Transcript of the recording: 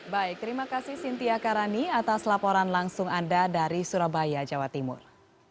baik terima kasih cynthia karani atas laporan langsung anda dari surabaya jawa timur